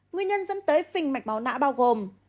nguyên nhân dẫn tới phình mạch máu nã bao gồm